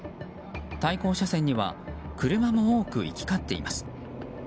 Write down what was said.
対向車線には車も多く行き交っています。